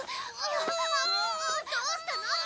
どうしたの？